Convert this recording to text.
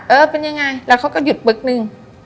เออเป็นยังไงแล้วเขาก็หยุดปึ๊กนึง